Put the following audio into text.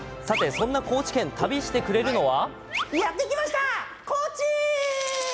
そんな高知県旅してくれたのは。